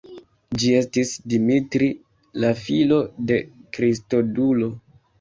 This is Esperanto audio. Ĝi estis Dimitri, la filo de Kristodulo.